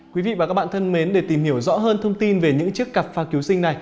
quý vị và các bạn thân mến để tìm hiểu rõ hơn thông tin về những chiếc cặp phao cứu sinh này